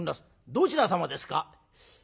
どちら様ですか？」。